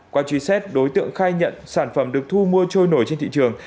qua truy xét đối tượng khai nhận sản phẩm được thu mua trôi nổi trên thị trường